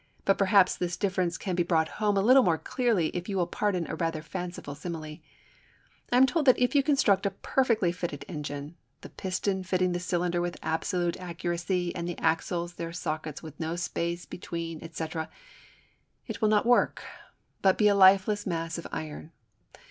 But perhaps this difference can be brought home a little more clearly if you will pardon a rather fanciful simile. I am told that if you construct a perfectly fitted engine the piston fitting the cylinder with absolute accuracy and the axles their sockets with no space between, &c. it #will not work#, but be a lifeless mass of iron.